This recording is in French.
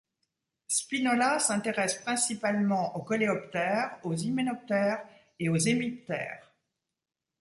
Spinola s’intéresse principalement aux coléoptères, aux hyménoptères et aux hémiptères.